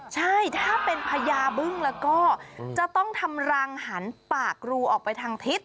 ใช่ถ้าเป็นพญาบึ้งแล้วก็จะต้องทำรังหันปากรูออกไปทางทิศ